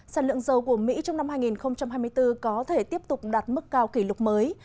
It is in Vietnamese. sản lượng dầu của mỹ trong năm hai nghìn hai mươi bốn có thể tiếp tục đạt mức cao kỷ lục mới